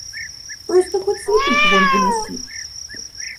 Просто хоть святых вон выноси!